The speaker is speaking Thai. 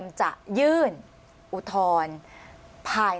อันดับที่สุดท้าย